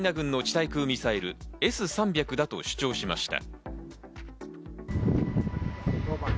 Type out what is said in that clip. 対空ミサイルＳ−３００だと主張しました。